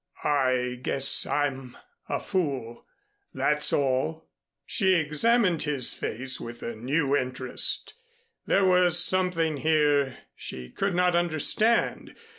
I guess I'm a fool that's all." She examined his face with a new interest. There was something here she could not understand.